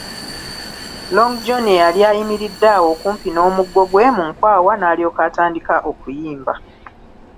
Long John eyali ayimiridde awo okumpi n'omuggo gwe mu nkwawa n'alyoka atandika okuyimba.